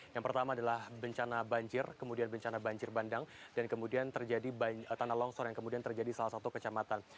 yang pertama adalah bencana banjir kemudian bencana banjir bandang dan kemudian terjadi tanah longsor yang kemudian terjadi salah satu kecamatan